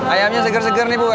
ayamnya segar segar nih bu